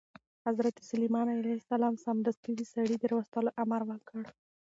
حضرت سلیمان علیه السلام سمدستي د سړي د راوستلو امر وکړ.